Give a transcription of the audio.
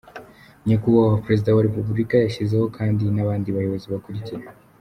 Nyakubahwa Perezida wa Repubulika yashyizeho kandi n’abandi Bayobozi bakurikira:.